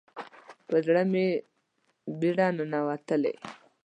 په زړه مې بیره ننوتلې